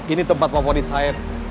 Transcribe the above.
ini tempat pampauan insahid